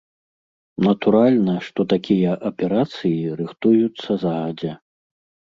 Натуральна, што такія аперацыі рыхтуюцца загадзя.